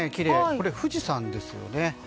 これ、富士山ですよね。